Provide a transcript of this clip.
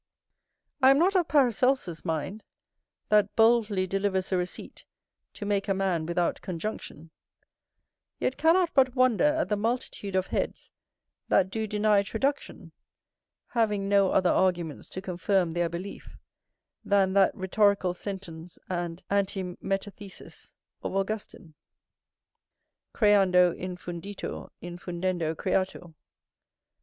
I am not of Paracelsus's mind, that boldly delivers a receipt to make a man without conjunction; yet cannot but wonder at the multitude of heads that do deny traduction, having no other arguments to confirm their belief than that rhetorical sentence and antimetathesis of Augustine, "creando infunditur, infundendo creatur."